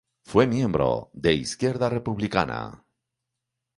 Fue miembro de Izquierda Republicana.